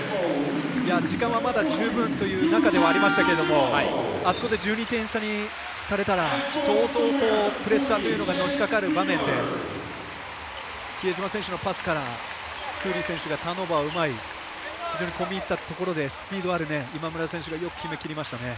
時間はまだ十分という中ではありましたけどあそこで１２点差にされたら相当、プレッシャーというのがのしかかる場面で比江島選手のパスからクーリー選手がターンオーバーを奪い非常に込み入ったところでスピードある今村選手がよく決めきりましたね。